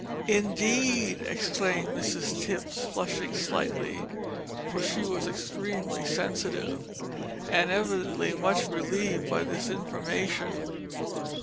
"Indeed!" exclaimed Mrs Tipps, flushing slightly for she was extremely sensitive, and evidently much relieved by this information.